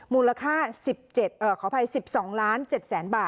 มูลค่าสิบเจ็ดเอ่อขออภัยสิบสองล้านเจ็ดแสนบาท